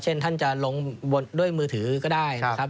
เช่นท่านจะลงบนด้วยมือถือก็ได้นะครับ